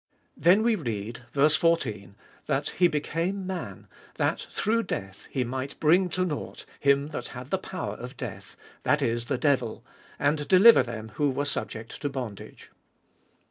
Then we read, ver. 14, that He became man, that through death He might bring to nought Him that had the power of death, that is, the devil, and deliver them who were subject to bondage.